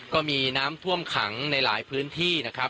ตอนนี้ผมอยู่ในพื้นที่อำเภอโขงเจียมจังหวัดอุบลราชธานีนะครับ